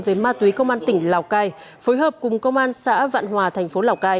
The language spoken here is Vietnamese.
về ma túy công an tỉnh lào cai phối hợp cùng công an xã vạn hòa thành phố lào cai